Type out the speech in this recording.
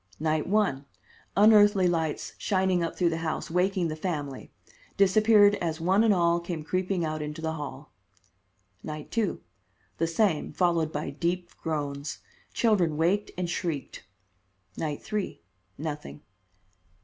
Night 1: Unearthly lights shining up through the house, waking the family. Disappeared as one and all came creeping out into the hall. Night 2: The same, followed by deep groans. Children waked and shrieked. Night 3: Nothing.